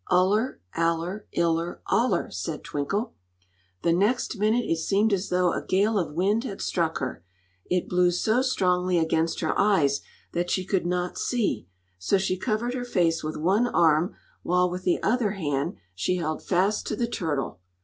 _'" "Uller; aller; iller; oller!" said Twinkle. The next minute it seemed as though a gale of wind had struck her. It blew so strongly against her eyes that she could not see; so she covered her face with one arm while with the other hand she held fast to the turtle.